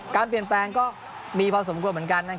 การเปลี่ยนแปลงก็มีพอสมควรเหมือนกัน